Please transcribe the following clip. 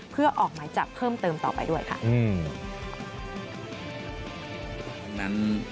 เพื่อออกหมายจับเพิ่มเติมต่อไปด้วยค่ะ